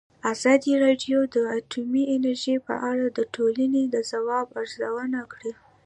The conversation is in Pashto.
ازادي راډیو د اټومي انرژي په اړه د ټولنې د ځواب ارزونه کړې.